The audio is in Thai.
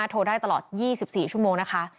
๐๘๑๘๐๔๒๐๐๕โทรได้ตลอด๒๔ชั่วโมงนะคะ